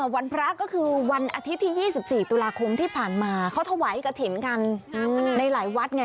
วันพระก็คือวันอาทิตย์ที่๒๔ตุลาคมที่ผ่านมาเขาถวายกระถิ่นกันในหลายวัดไง